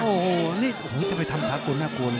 โอ้โหนี่จะไปทำสาคูณน่ากูล